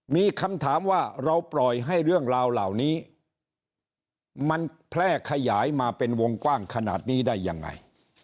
มีคำถามว่าเราปล่อยให้เรื่องราวเหล่านี้มันแพร่ขยายมาเป็นวงกว้างขนาดนี้ได้ยังไง